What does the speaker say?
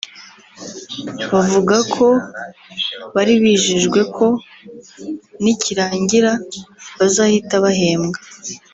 bavuga ko bari bijejwe ko nikirangira bazahita bahembwa